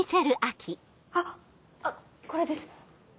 あっこれです。